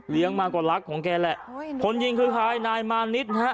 เลี้ยงมากว่าลักษณ์ของแกแหละคนยิงคือพายนายมานิดฮะ